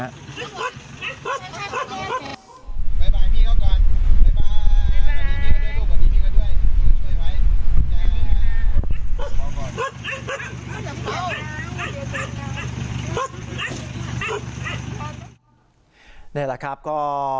บ๊ายบายพี่เขาก่อนบ๊ายบาย